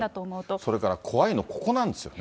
それから怖いのここなんですよね。